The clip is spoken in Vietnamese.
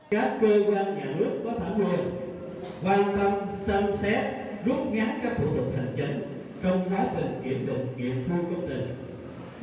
các cơ quan nhà nước có thảm hồn quan tâm xâm xét rút ngắn các thủ tục thành trình trong phá bình nghiệp đồng nghiệp thu công trình